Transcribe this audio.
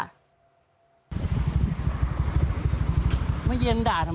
ชอบเล่นเครื่องรึเปล่า